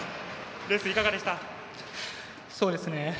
レース、いかがでした？